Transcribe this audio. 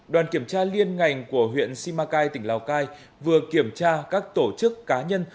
đoàn kiểm tra liên ngành của huyện simacai tỉnh lào cai vừa kiểm tra các tổ chức cá nhân